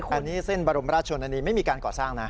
อันนี้เส้นบรมราชชนนานีไม่มีการก่อสร้างนะ